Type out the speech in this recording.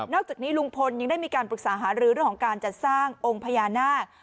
จากนี้ลุงพลยังได้มีการปรึกษาหารือเรื่องของการจัดสร้างองค์พญานาค